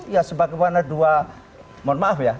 ya sebagaimana dua mohon maaf ya